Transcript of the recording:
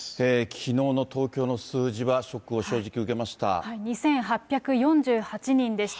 きのうの東京の数字はショックを正直受けました。